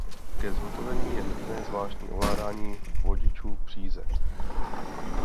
Ke zhotovení je nutné zvláštní ovládání vodičů příze.